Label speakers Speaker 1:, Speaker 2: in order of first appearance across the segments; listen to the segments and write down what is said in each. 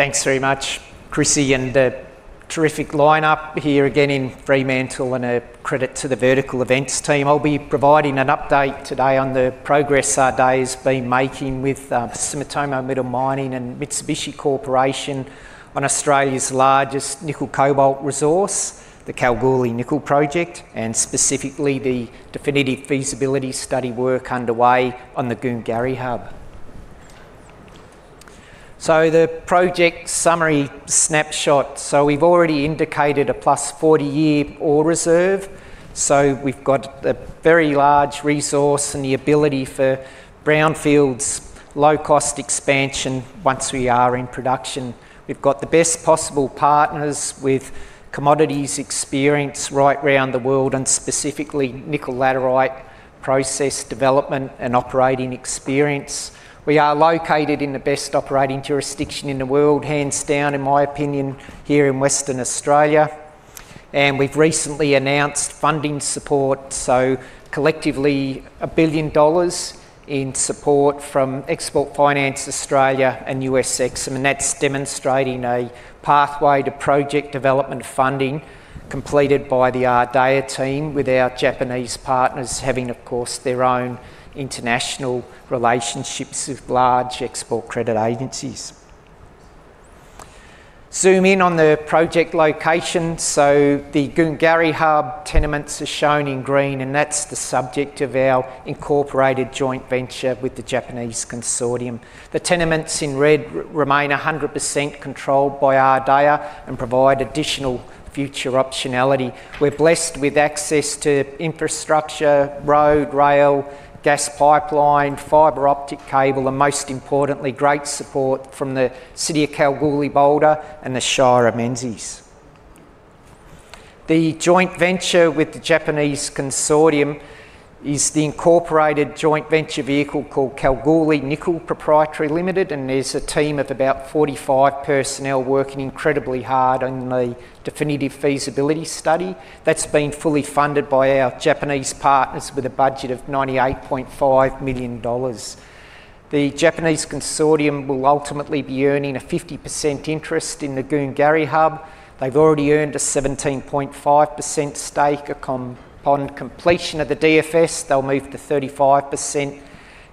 Speaker 1: Thanks very much, Chrissy, and a terrific line-up here again in Fremantle, and a credit to the Vertical Events team. I'll be providing an update today on the progress Ardea's been making with Sumitomo Metal Mining and Mitsubishi Corporation on Australia's largest nickel cobalt resource, the Kalgoorlie Nickel Project, and specifically the Definitive Feasibility Study work underway on the Goongarrie Hub. So the project summary snapshot. So we've already indicated a +40-year ore reserve, so we've got a very large resource and the ability for brownfields, low-cost expansion once we are in production. We've got the best possible partners with commodities experience right round the world, and specifically nickel laterite process development and operating experience. We are located in the best operating jurisdiction in the world, hands down, in my opinion, here in Western Australia. And we've recently announced funding support, so collectively, $1 billion in support from Export Finance Australia and U.S. EXIM, and that's demonstrating a pathway to project development funding completed by the Ardea team with our Japanese partners having, of course, their own international relationships with large export credit agencies. Zoom in on the project location. So the Goongarrie Hub tenements are shown in green, and that's the subject of our incorporated joint venture with the Japanese consortium. The tenements in red remain 100% controlled by Ardea and provide additional future optionality. We're blessed with access to infrastructure, road, rail, gas pipeline, fiber-optic cable, and most importantly, great support from the City of Kalgoorlie-Boulder and the Shire of Menzies. The joint venture with the Japanese consortium is the incorporated joint venture vehicle called Kalgoorlie Nickel Proprietary Limited, and there's a team of about 45 personnel working incredibly hard on the Definitive Feasibility Study. That's been fully funded by our Japanese partners with a budget of 98.5 million dollars. The Japanese consortium will ultimately be earning a 50% interest in the Goongarrie Hub. They've already earned a 17.5% stake. Upon completion of the DFS, they'll move to 35%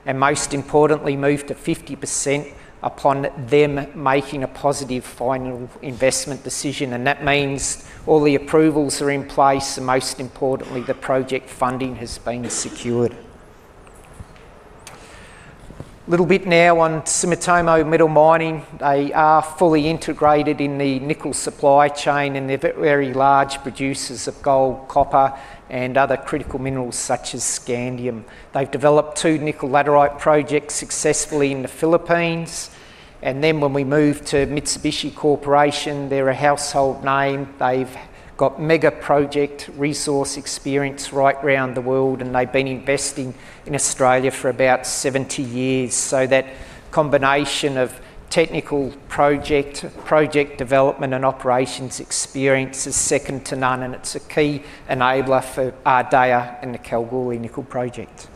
Speaker 1: and, most importantly, move to 50% upon them making a positive final investment decision. And that means all the approvals are in place, and most importantly, the project funding has been secured. Little bit now on Sumitomo Metal Mining. They are fully integrated in the nickel supply chain, and they're very large producers of gold, copper, and other critical minerals such as scandium. They've developed two nickel laterite projects successfully in the Philippines. Then when we move to Mitsubishi Corporation, they're a household name. They've got mega-project resource experience right around the world, and they've been investing in Australia for about 70 years. That combination of technical project, project development and operations experience is second to none, and it's a key enabler for Ardea and the Kalgoorlie Nickel Project.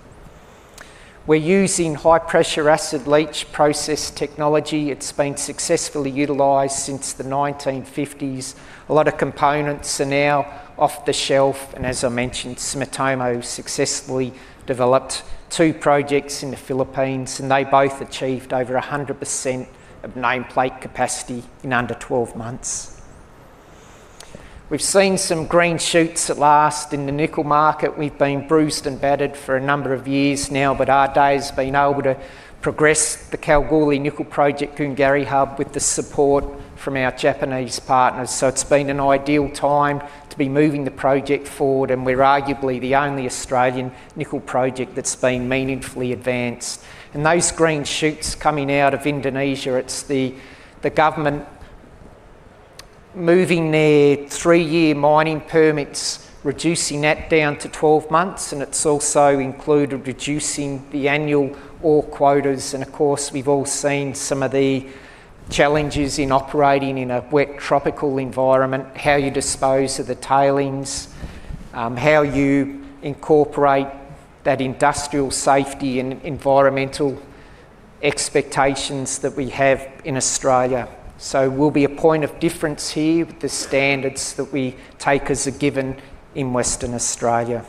Speaker 1: We're using high-pressure acid leach process technology. It's been successfully utilized since the 1950s. A lot of components are now off the shelf, and as I mentioned, Sumitomo successfully developed two projects in the Philippines, and they both achieved over 100% of nameplate capacity in under 12 months. We've seen some green shoots at last in the nickel market. We've been bruised and battered for a number of years now, but Ardea's been able to progress the Kalgoorlie Nickel Project, Goongarrie Hub, with the support from our Japanese partners. So it's been an ideal time to be moving the project forward, and we're arguably the only Australian nickel project that's been meaningfully advanced. Those green shoots coming out of Indonesia, it's the government moving their three-year mining permits, reducing that down to 12 months, and it's also included reducing the annual ore quotas. Of course, we've all seen some of the challenges in operating in a wet tropical environment, how you dispose of the tailings, how you incorporate that industrial safety and environmental expectations that we have in Australia. So we'll be a point of difference here with the standards that we take as a given in Western Australia.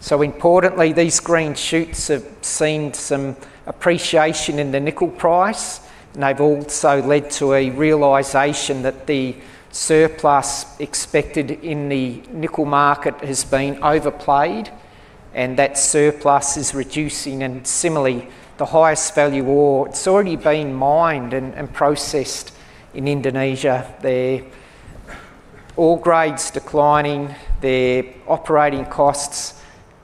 Speaker 1: So importantly, these green shoots have seen some appreciation in the nickel price, and they've also led to a realization that the surplus expected in the nickel market has been overplayed and that surplus is reducing. And similarly, the highest value ore, it's already been mined and processed in Indonesia. Their ore grade's declining, their operating costs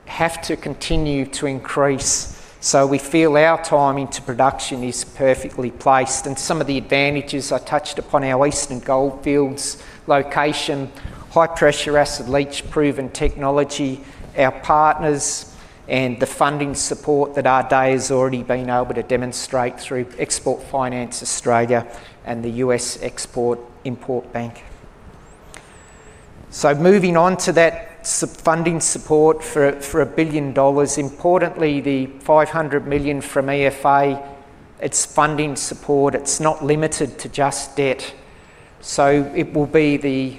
Speaker 1: have to continue to increase, so we feel our time into production is perfectly placed. And some of the advantages I touched upon, our Eastern Goldfields location, high-pressure acid leach-proven technology, our partners, and the funding support that Ardea has already been able to demonstrate through Export Finance Australia and the U.S. Export-Import Bank. So moving on to that funding support for $1 billion. Importantly, the $500 million from EFA, it's funding support. It's not limited to just debt. So it will be the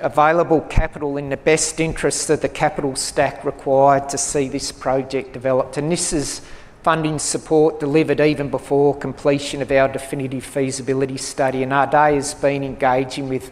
Speaker 1: available capital in the best interest that the capital stack required to see this project developed. This is funding support delivered even before completion of our definitive feasibility study. Ardea has been engaging with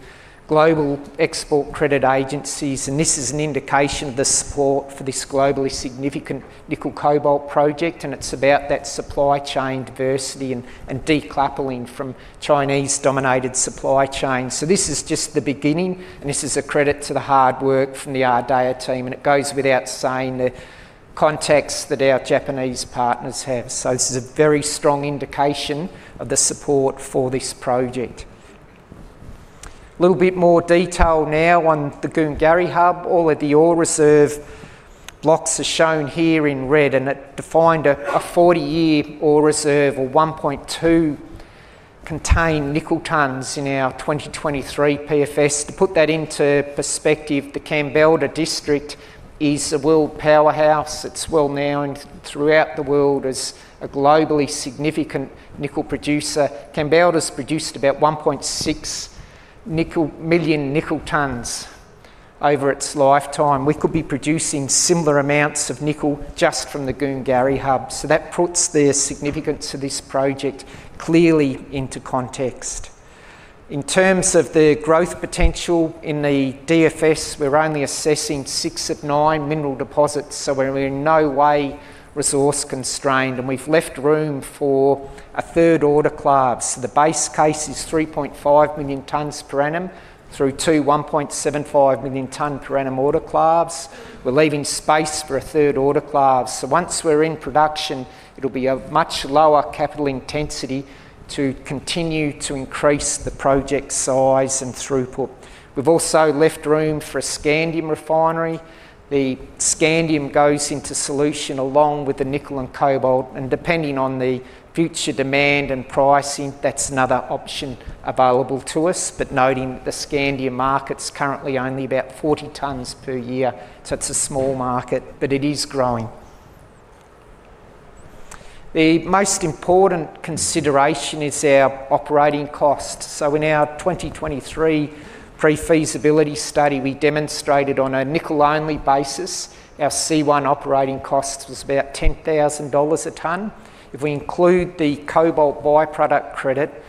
Speaker 1: global export credit agencies, and this is an indication of the support for this globally significant nickel cobalt project, and it's about that supply chain diversity and decoupling from Chinese-dominated supply chains. This is just the beginning, and this is a credit to the hard work from the Ardea team. It goes without saying, the contacts that our Japanese partners have. This is a very strong indication of the support for this project. A little bit more detail now on the Goongarrie Hub. All of the ore reserve blocks are shown here in red, and it defined a 40-year ore reserve or 1.2 contained nickel tonnes in our 2023 PFS. To put that into perspective, the Kambalda District is a world powerhouse. It's well-known throughout the world as a globally significant nickel producer. Kambalda's produced about 1.6 million nickel tonnes over its lifetime. We could be producing similar amounts of nickel just from the Goongarrie Hub. So that puts the significance of this project clearly into context. In terms of the growth potential in the DFS, we're only assessing 6 of 9 mineral deposits, so we're in no way resource constrained, and we've left room for a third autoclave. The base case is 3.5 million tonnes per annum through two 1.75 million tonne per annum autoclaves. We're leaving space for a third autoclave. So once we're in production, it'll be a much lower capital intensity to continue to increase the project's size and throughput. We've also left room for a scandium refinery. The scandium goes into solution along with the nickel and cobalt, and depending on the future demand and pricing, that's another option available to us. But noting that the scandium market's currently only about 40 tonnes per year, so it's a small market, but it is growing. The most important consideration is our operating costs. So in our 2023 pre-feasibility study, we demonstrated on a nickel-only basis, our C1 operating cost was about $10,000 a tonne. If we include the cobalt by-product credit,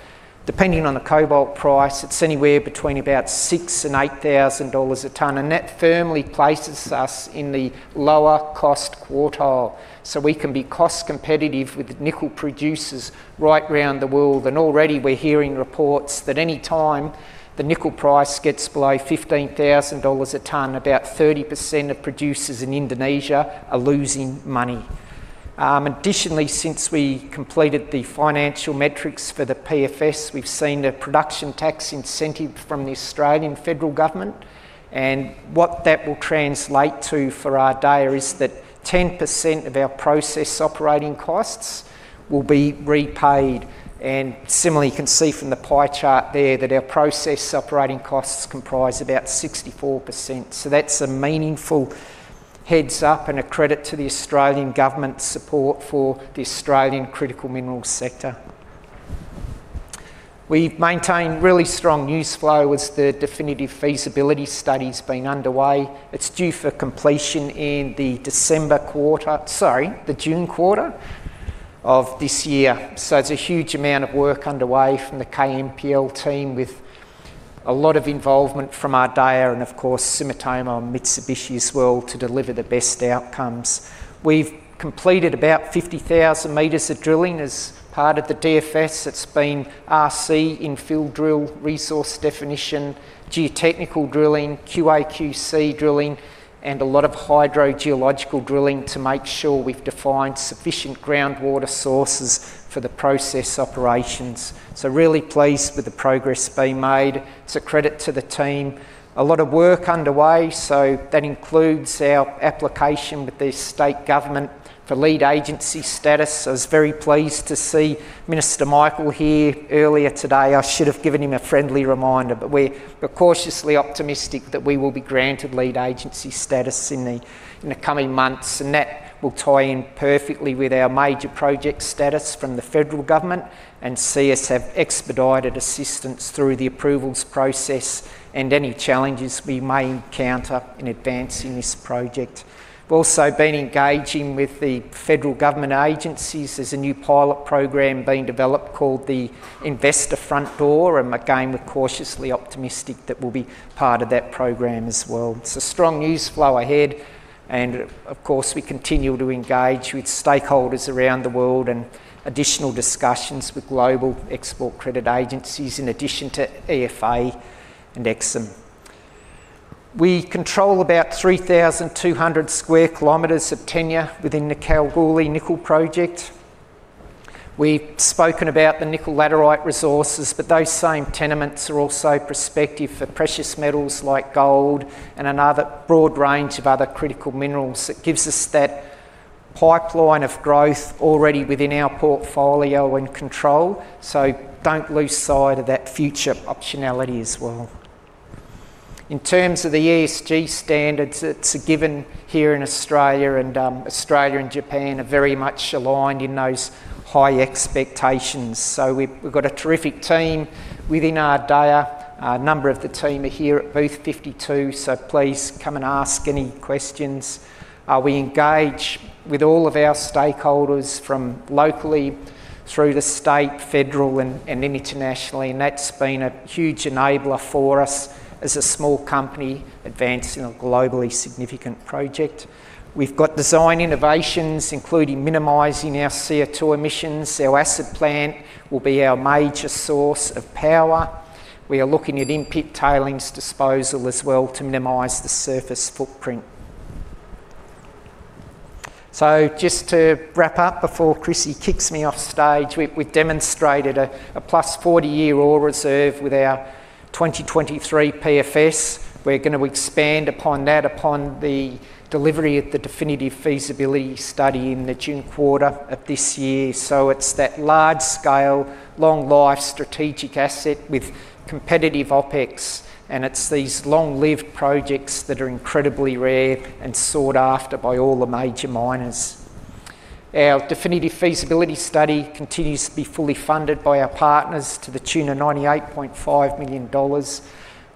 Speaker 1: depending on the cobalt price, it's anywhere between about $6,000-$8,000 a tonne, and that firmly places us in the lower cost quartile. So we can be cost competitive with nickel producers right round the world. And already we're hearing reports that any time the nickel price gets below $15,000 a tonne, about 30% of producers in Indonesia are losing money. Additionally, since we completed the financial metrics for the PFS, we've seen a production tax incentive from the Australian Federal Government, and what that will translate to for Ardea is that 10% of our process operating costs will be repaid. And similarly, you can see from the pie chart there that our process operating costs comprise about 64%. So that's a meaningful heads-up and a credit to the Australian government's support for the Australian critical minerals sector. We've maintained really strong news flow as the definitive feasibility study's been underway. It's due for completion in the December quarter, sorry, the June quarter of this year. So there's a huge amount of work underway from the KNPL team, with a lot of involvement from Ardea and of course, Sumitomo and Mitsubishi as well, to deliver the best outcomes. We've completed about 50,000 meters of drilling as part of the DFS. It's been RC infill drill, resource definition, geotechnical drilling, QAQC drilling, and a lot of hydrogeological drilling to make sure we've defined sufficient groundwater sources for the process operations. So really pleased with the progress being made. It's a credit to the team. A lot of work underway, so that includes our application with the state government for Lead Agency Status. I was very pleased to see Minister Michael here earlier today. I should have given him a friendly reminder, but we're cautiously optimistic that we will be granted Lead Agency Status in the coming months, and that will tie in perfectly with our Major Project Status from the federal government and see us have expedited assistance through the approvals process and any challenges we may encounter in advancing this project. We've also been engaging with the federal government agencies. There's a new pilot program being developed called the Investor Front Door, and again, we're cautiously optimistic that we'll be part of that program as well. So strong news flow ahead, and of course, we continue to engage with stakeholders around the world and additional discussions with global export credit agencies, in addition to EFA and EXIM. We control about 3,200 square kilometers of tenure within the Kalgoorlie Nickel Project. We've spoken about the nickel laterite resources, but those same tenements are also prospective for precious metals like gold and another broad range of other critical minerals that gives us a pipeline of growth already within our portfolio and control, so don't lose sight of that future optionality as well. In terms of the ESG standards, it's a given here in Australia, and Australia and Japan are very much aligned in those high expectations. So we've got a terrific team within Ardea. A number of the team are here at Booth 52, so please come and ask any questions. We engage with all of our stakeholders from locally through to state, federal, and internationally, and that's been a huge enabler for us as a small company advancing a globally significant project. We've got design innovations, including minimizing our CO2 emissions. Our acid plant will be our major source of power. We are looking at in-pit tailings disposal as well to minimize the surface footprint. So just to wrap up before Chrissy kicks me off stage, we've demonstrated a +40-year ore reserve with our 2023 PFS. We're going to expand upon that upon the delivery of the definitive feasibility study in the June quarter of this year. So it's that large-scale, long-life strategic asset with competitive OpEx, and it's these long-lived projects that are incredibly rare and sought after by all the major miners. Our definitive feasibility study continues to be fully funded by our partners to the tune of 98.5 million dollars.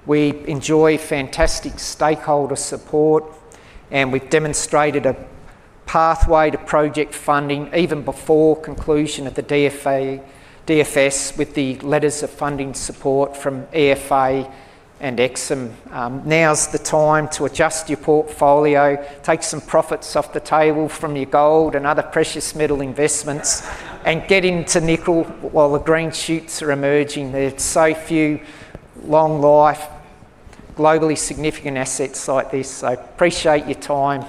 Speaker 1: We enjoy fantastic stakeholder support, and we've demonstrated a pathway to project funding even before conclusion of the DFS with the letters of funding support from EFA and EXIM. Now's the time to adjust your portfolio, take some profits off the table from your gold and other precious metal investments, and get into nickel while the green shoots are emerging. There's so few long-life, globally significant assets like this. So, appreciate your time.